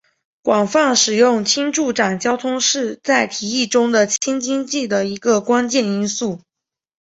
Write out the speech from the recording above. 广泛使用氢助长交通是在提议中的氢经济的一个关键因素。